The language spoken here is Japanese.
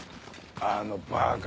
あのバカ。